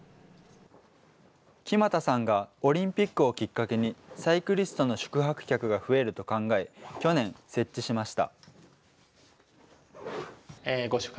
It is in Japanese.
木全さんがオリンピックをきっかけにサイクリストの宿泊客が増えると考え、去年、設置しました。